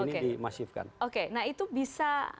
ini dimasifkan oke nah itu bisa